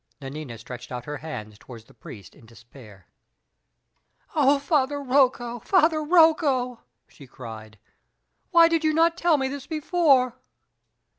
Nanina stretched out her hands toward the priest in despair. "Oh, Father Rocco! Father Rocco!" she cried, "why did you not tell me this before?"